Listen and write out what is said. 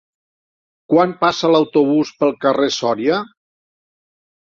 Quan passa l'autobús pel carrer Sòria?